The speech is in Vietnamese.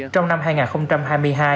trong năm hai nghìn hai mươi hai